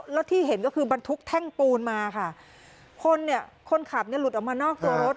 แล้วที่เห็นก็คือบรรทุกแท่งปูนมาค่ะคนเนี่ยคนขับเนี่ยหลุดออกมานอกตัวรถ